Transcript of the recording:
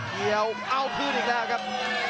เกี่ยวเอาคืนอีกแล้วครับ